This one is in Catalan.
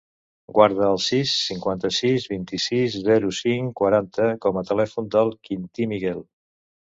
Guarda el sis, cinquanta-sis, vint-i-sis, zero, cinc, quaranta com a telèfon del Quintí Miguel.